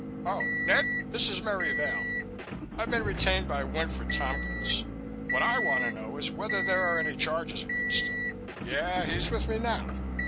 Oh, Ned?... This is Merry Vail. I've been retained by Winfred Tompkins. What I want to know is whether there are any charges against him.... Yeah, he's with me now....